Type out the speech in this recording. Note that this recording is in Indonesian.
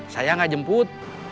saya nggak jemput